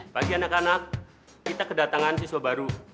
bagi anak anak kita kedatangan siswa baru